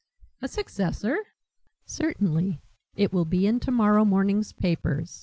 "A successor?" "Certainly. It will be in tomorrow morning's papers.